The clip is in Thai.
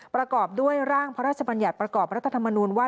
ประกอบด้วยร่างพระราชบัญญัติประกอบรัฐธรรมนูญว่า